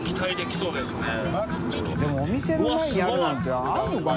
任お店の前にあるなんてあるのかな？